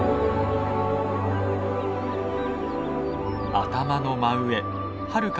頭の真上はるか